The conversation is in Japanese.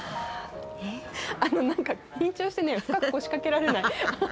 あのなんか緊張してね深く腰掛けられない。